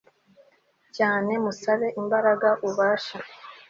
cyane, musabe imbaraga, ubashe